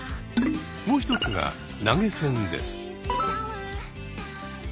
もう一つが投げ銭です。